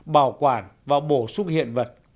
bảo quản và bổ xuất hiện